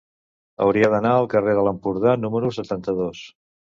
Hauria d'anar al carrer de l'Empordà número setanta-dos.